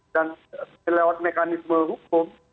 dan lewat mekanisme hukum